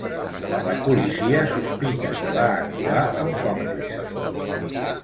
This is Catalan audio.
La policia sospita que va actuar amb còmplices.